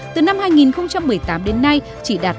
từ năm hai nghìn một mươi tám đến nay chỉ đạt tám mươi bảy